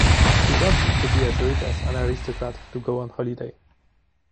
You don't need to be as rich as an aristocrat to go on holiday.